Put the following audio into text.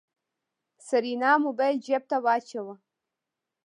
سېرېنا موبايل جېب ته واچوه.